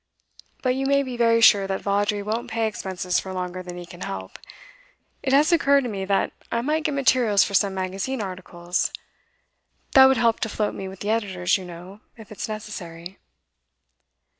But you may be very sure that Vawdrey won't pay expenses for longer than he can help. It has occurred to me that I might get materials for some magazine articles. That would help to float me with the editors, you know, if it's necessary.